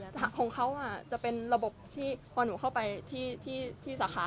ทางท่านชาติของเขาจะเป็นระบบที่พอหนูเข้าไปที่สาขา